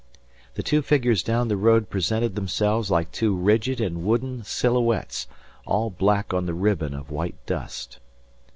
The two figures down the road presented themselves like two rigid and wooden silhouettes all black on the ribbon of white dust.